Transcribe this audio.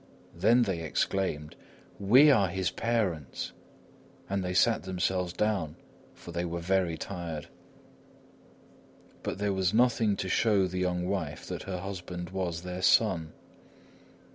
Then they exclaimed: "We are his parents!" and they sat themselves down, for they were very tired. But there was nothing to show the young wife that her husband was their son.